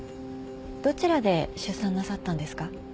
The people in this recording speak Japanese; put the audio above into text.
どちらで出産なさったんですか？